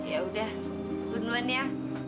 ya udah gue duluan ya